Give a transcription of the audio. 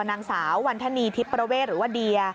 นางสาววันธนีทิพย์ประเวทหรือว่าเดีย